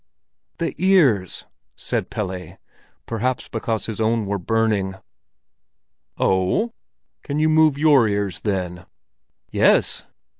"The ears!" said Pelle, perhaps because his own were burning. "O oh? Can you move your ears, then?" "Yes."